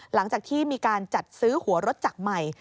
หลังจากที่มีการจัดซื้อหัวรถจักรใหม่